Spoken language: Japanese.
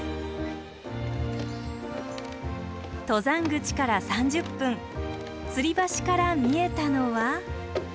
登山口から３０分つり橋から見えたのは。